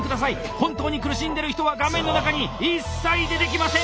本当に苦しんでる人は画面の中に一切出てきません！